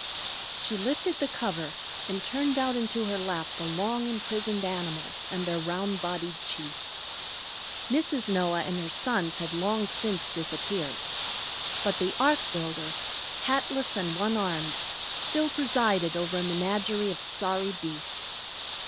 She lifted the cover, and turned out into her lap the long imprisoned animals and their round bodied chief. Mrs. Noah and her sons had long since disappeared. But the ark builder, hatless and one armed, still presided over a menagerie of sorry beasts.